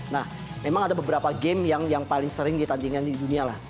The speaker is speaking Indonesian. nah memang ada beberapa game yang paling sering ditandingkan di dunia lah